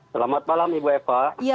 selamat malam ibu eva